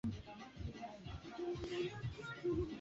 nae waziri wake wa michezo amesema ya kwamba